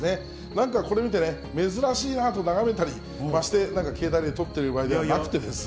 なんかこれ見てね、珍しいなと眺めたり、ましてなんか、携帯で撮ってる場合ではなくてですね。